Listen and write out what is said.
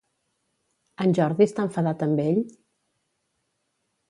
En Jordi està enfadat amb ell?